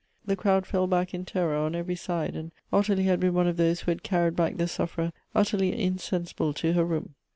The crowd fell back in terror on every side and, Ottilie had been one of those who had carried back the sufferer utterly insensible to her room.